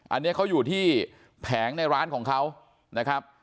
อันนี้เขาอยู่ที่แผงในร้านของเขานะครับ